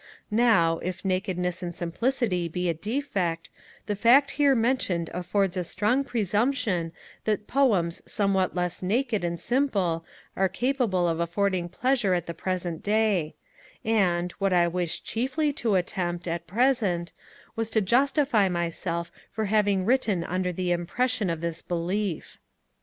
Now, if nakedness and simplicity be a defect, the fact here mentioned affords a strong presumption that poems somewhat less naked and simple are capable of affording pleasure at the present day; and, what I wish chiefly to attempt, at present, was to justify myself for having written under the impression of this belief.